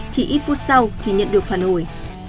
chỉ ít phút sau thì nhận được phản hồi